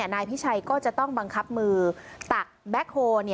นายพิชัยก็จะต้องบังคับมือตักแบ็คโฮ